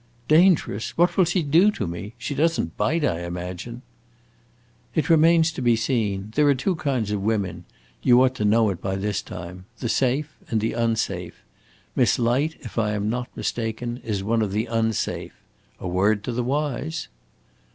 "Dangerous? What will she do to me? She does n't bite, I imagine." "It remains to be seen. There are two kinds of women you ought to know it by this time the safe and the unsafe. Miss Light, if I am not mistaken, is one of the unsafe. A word to the wise!"